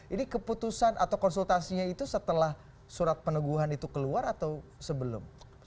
ini keputusan atau konsultasinya itu setelah surat peneguhan itu keluar atau sebelum